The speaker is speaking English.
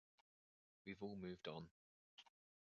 We've all moved on.